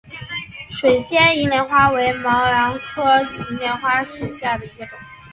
水仙银莲花为毛茛科银莲花属下的一个种。